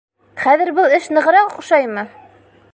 Хәҙер был эш нығыраҡ оҡшаймы?